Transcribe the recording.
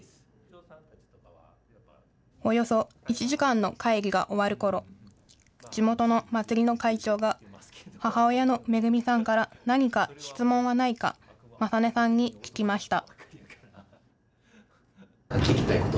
およそ１時間の会議が終わるころ、地元の祭りの会長が母親の恵さんから何か質問はないか、理音さんに聞きました。